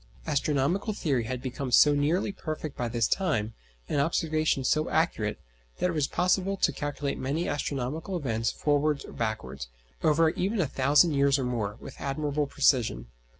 Astronomical theory had become so nearly perfect by this time, and observations so accurate, that it was possible to calculate many astronomical events forwards or backwards, over even a thousand years or more, with admirable precision.